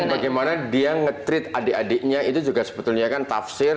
dan bagaimana dia nge treat adik adiknya itu juga sebetulnya kan tafsir